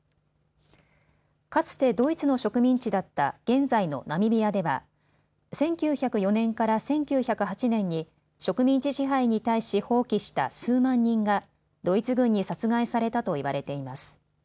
かつてドイツの植民地だった現在のナミビアでは１９０４年から１９０８年に植民地支配に対し蜂起した数万人がドイツ軍に殺害されたといわれています。